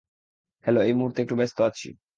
Hello এই মুহুর্তে একটু ব্যস্ত আছি।